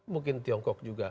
mungkin tiongkok juga